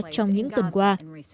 trong những tuần qua